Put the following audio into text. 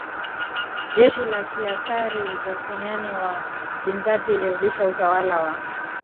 Jeshi la Kaisari Justiniani I wa Bizanti ilirudisha utawala wa